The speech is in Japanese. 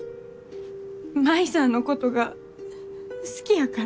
舞さんのことが好きやから？